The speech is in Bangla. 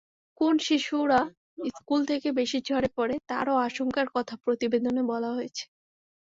কোন শিশুরা স্কুল থেকে বেশি ঝরে পড়ে তারও আশঙ্কার কথা প্রতিবেদনে বলা হয়েছে।